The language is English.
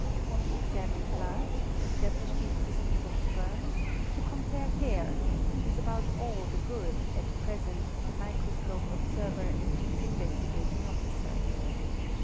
'l'o examine blood, esta blish the existence of sperms 36), to compare hair, is about all the good at present the microscope observer is to the Investigating Officer.